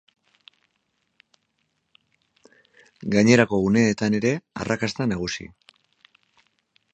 Gainerako guneetan ere, arrakasta nagusi.